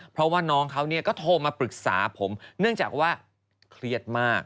เพราะว่าน้องเขาก็โทรมาปรึกษาผมเนื่องจากว่าเครียดมาก